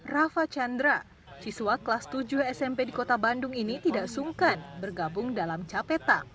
rafa chandra siswa kelas tujuh smp di kota bandung ini tidak sungkan bergabung dalam capetang